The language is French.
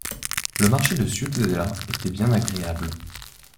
Le marché de Ciutadella était bien agréable.